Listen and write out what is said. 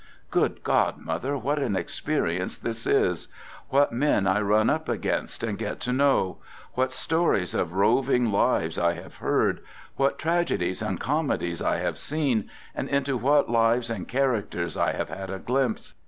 Good God, mother, what an experience this is! What men I run up against and get to know! What stories of roving lives I have heard. What tragedies and comedies I have seen, and into what lives and characters I have had a glimpse.